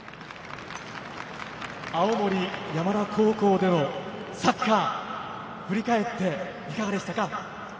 青森山田高校でのサッカー、振り返っていかがでしたか？